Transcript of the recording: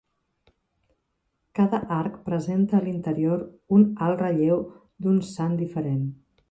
Cada arc presenta a l'interior un alt relleu d'un sant diferent.